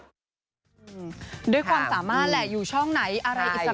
หนีได้ควรสามารถอยู่ช่องไหนอะไรอิสระ